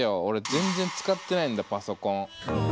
俺全然使ってないんだパソコン。